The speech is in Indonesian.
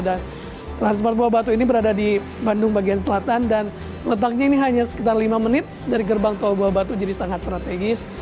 dan transmart buah batu ini berada di bandung bagian selatan dan letaknya ini hanya sekitar lima menit dari gerbang tol buah batu jadi sangat strategis